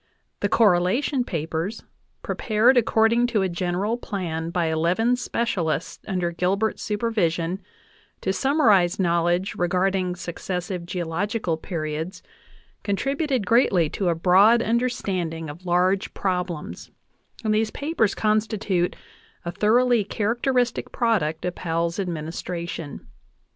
The "Correlation Papers," pre pared according to a general plan by eleven specialists under Gilbert's supervision to summarize knowledge regarding suc cessive geological periods, contributed greatly to a broad un derstanding of large problems; and these papers constitute a thoroughly characteristic product of Powell's administration.